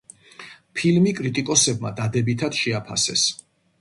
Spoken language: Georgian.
ფილმი კრიტიკოსებმა დადებითად შეაფასეს.